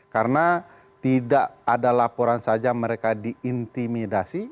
karena tidak ada laporan saja mereka diintimidasi